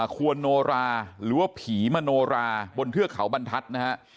ควรโนราหรือว่าผีมโนราบนเทือกเขาบรรทัศน์นะฮะ